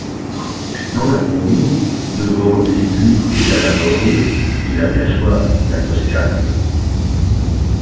Dans la Drôme, devant les buis et la lavande, il aperçoit la Toscane.